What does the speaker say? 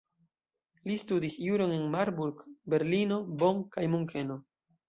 Li studis juron en Marburg, Berlino, Bonn kaj Munkeno.